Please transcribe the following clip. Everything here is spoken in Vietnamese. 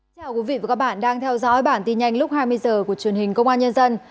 chào quý vị và các bạn đang theo dõi bản tin nhanh lúc hai mươi h của truyền hình công an nhân dân